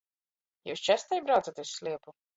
Jius častai braucat iz sliepu?